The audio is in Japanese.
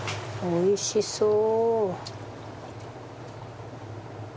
おいしそう。